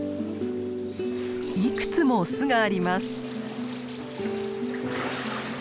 いくつも巣があります。